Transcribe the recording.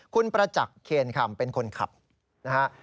คุณประจักษ์เคนคำเป็นคนขับนะฮะ